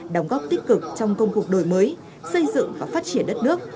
đóng góp tích cực trong công cuộc đổi mới xây dựng và phát triển đất nước